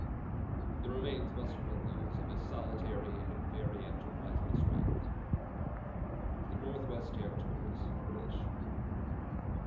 '" The remains must have been those of a solitary and very enterprising straggler. THE NORTHWEST TERRITORIES (British).